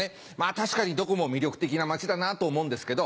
確かにどこも魅力的な街だなと思うんですけど。